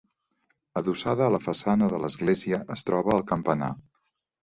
Adossada a la façana de l'església es troba el campanar.